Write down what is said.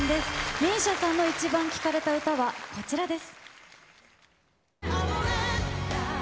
ＭＩＳＩＡさんのイチバン聴かれた歌はこちらです。